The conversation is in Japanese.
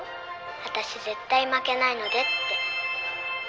私絶対負けないのでって。